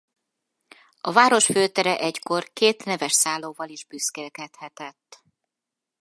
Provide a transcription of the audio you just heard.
A város főtere egykor két neves szállóval is büszkélkedhetett.